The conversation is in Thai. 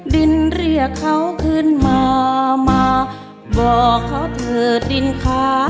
ดินเรียกเขาขึ้นมามาบอกเขาเถิดดินค้า